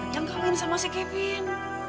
yang kawin sama si kevin